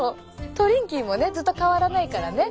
トリンキーもねずっと変わらないからね。